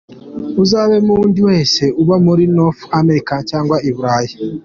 Uzabaze nundi wese uba muri North America cg i Burayi.